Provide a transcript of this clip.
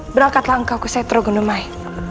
berangkatlah engkau ke setrogon demai